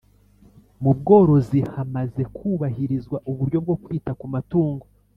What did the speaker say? Mu bworozi hamaze kubahirizwa uburyo bwo kwita ku matungo